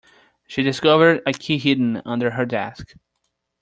She discovered a key hidden under her desk.